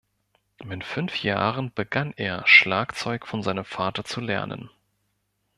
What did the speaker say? Mit fünf Jahren begann er, Schlagzeug von seinem Vater zu lernen.